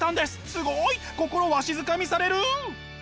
すごい！心わしづかみされる！